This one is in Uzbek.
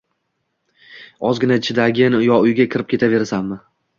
Ozgina chidagin. Yo uyga kirib ketaverasanmi?